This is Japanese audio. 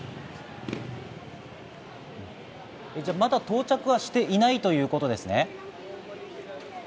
まだ到着はしていないということですね？